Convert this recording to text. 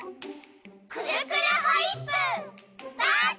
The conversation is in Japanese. くるくるホイップスタート！